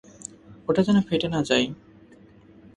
ওটা যেন ফেটে না যায়।